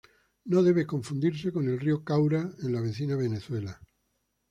No debe confundirse con el Río Caura en la vecina Venezuela.